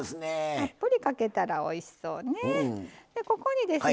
たっぷりかけたら、おいしそうね。